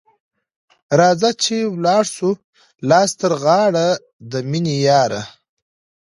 راځه چي ولاړ سو لاس تر غاړه ، د میني یاره